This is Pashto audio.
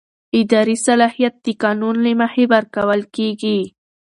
اداري صلاحیت د قانون له مخې ورکول کېږي.